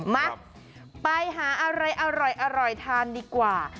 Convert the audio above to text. มาไปหาอะไรอร่อยทานดีกว่า